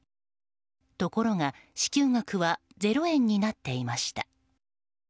ところが支給額はゼロ円になっていました。